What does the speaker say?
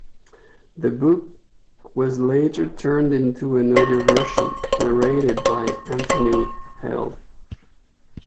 The book was later turned into an audio version, narrated by Anthony Heald.